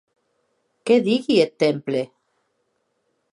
Qué digui eth temple!